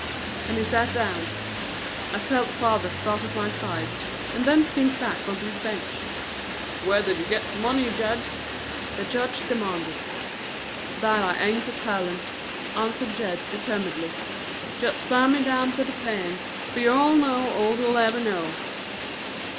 And he sat down. I felt father start at my side and then sink back onto his bench. "Where did you git the money, Jed?" the judge demanded. "That I ain't a telling," answered Jed determinedly. "Jest send me down to the pen, fer you all know all you'll ever know."